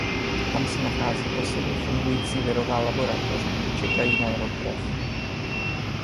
Tam se nachází poslední fungující virová laboratoř kde čekají na jeho krev.